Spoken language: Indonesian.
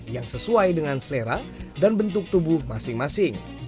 yang sesuai dengan selera dan bentuk tubuh masing masing